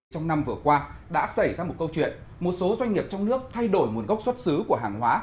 trong năm vừa qua đã xảy ra một câu chuyện một số doanh nghiệp trong nước thay đổi nguồn gốc xuất xứ của hàng hóa